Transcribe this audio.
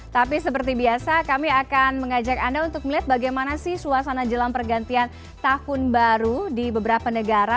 tapi seperti biasa kami akan mengajak anda untuk melihat bagaimana sih suasana jelang pergantian tahun baru di beberapa negara